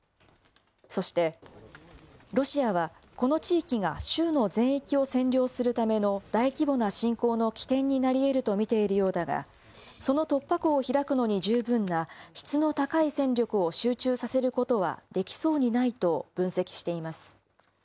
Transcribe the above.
そして、ロシアはこの地域が州の全域を占領するための大規模な侵攻の起点になりえると見ているようだが、その突破口を開くのに十分な質の高い戦力を集中させることはできそうにないと分析しています。